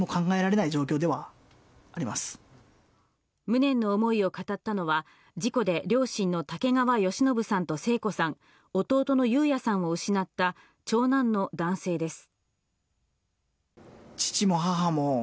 無念の思いを語ったのは、事故で両親の竹川好信さんと生子さん、弟の有哉さんを失った長男の男性です。